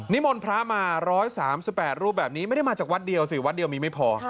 มนต์พระมา๑๓๘รูปแบบนี้ไม่ได้มาจากวัดเดียวสิวัดเดียวมีไม่พอ